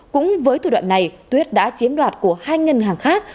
cũng với thủ đoạn này tuyết đã chiếm đoạt của hai ngân hàng khác